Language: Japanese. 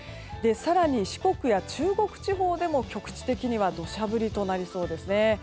更に四国や中国地方でも局地的には土砂降りとなりそうですね。